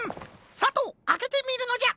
さとうあけてみるのじゃ。